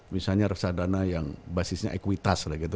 misalnya reksadana yang basisnya ekuitas